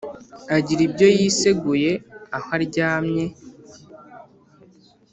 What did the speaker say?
Agira ibyo yiseguye aho aryamye